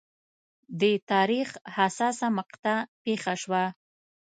د تاریخ حساسه مقطعه پېښه شوه.